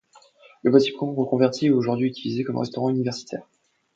Le bâtiment reconverti est aujourd'hui utilisé comme restaurant universitaire.